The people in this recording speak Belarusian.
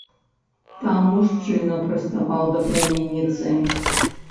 Там мужчына прыставаў да пляменніцы.